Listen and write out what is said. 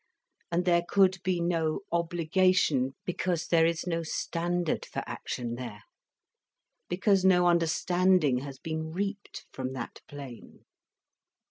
And there could be no obligation, because there is no standard for action there, because no understanding has been reaped from that plane.